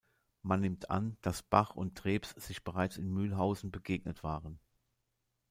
Man nimmt an, dass Bach und Trebs sich bereits in Mühlhausen begegnet waren.